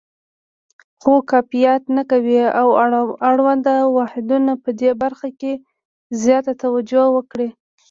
خو کفایت نه کوي او اړوند واحدونه پدې برخه کې زیاته توجه وکړي.